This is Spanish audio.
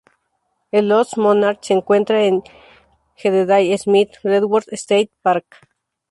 El Lost Monarch se encuentra en "Jedediah Smith Redwoods State Park".